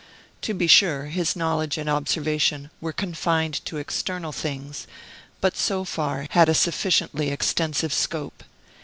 To be sure, his knowledge and observation were confined to external things, but, so far, had a sufficiently extensive scope.